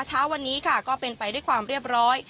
เช้าวันนี้ค่ะก็เป็นไปด้วยความเรียบร้อย